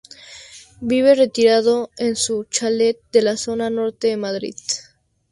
Vive retirado en su chalet de la zona norte de Madrid.